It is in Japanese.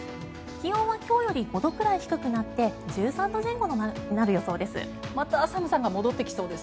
気温は今日より５度くらい低くなって１３度前後になる予想です。